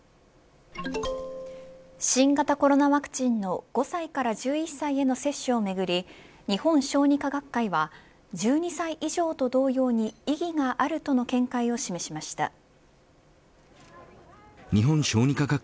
新型コロナワクチンの５歳から１１歳への接種をめぐり日本小児科学会は１２歳以上と同様に意義があるとの見解を示しました。